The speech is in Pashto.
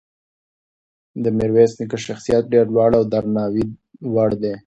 د میرویس نیکه شخصیت ډېر لوړ او د درناوي وړ دی.